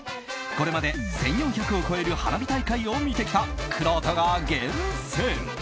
これまで１４００を超える花火大会を見てきたくろうとが厳選。